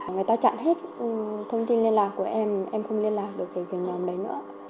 người ta chặn hết thông tin liên lạc của em em không liên lạc được với nhóm đấy nữa